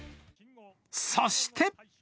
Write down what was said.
そして。